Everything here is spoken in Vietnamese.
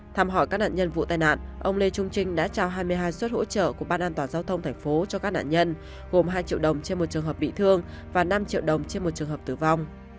thăm hỏi các nạn nhân vụ tai nạn ông lê trung trinh đã trao hai mươi hai suất hỗ trợ của ban an toàn giao thông thành phố cho các nạn nhân gồm hai triệu đồng trên một trường hợp bị thương và năm triệu đồng trên một trường hợp tử vong